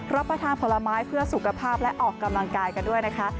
รับประทานผลไม้เพื่อสุขภาพและออกกำลังกายกันด้วยนะคะ